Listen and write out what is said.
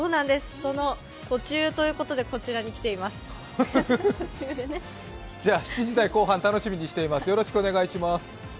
その途中ということでこちらに来ています。